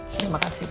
terima kasih pak